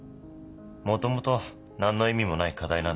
もともと何の意味もない課題なんだ。